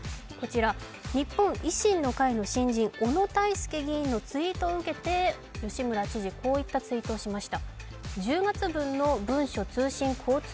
日本維新の会の新人、小野泰輔議員のＳＮＳを受けて吉村知事、こういったツイートをしました。